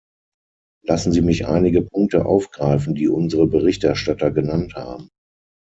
Lassen Sie mich einige Punkte aufgreifen, die unsere Berichterstatter genannt haben.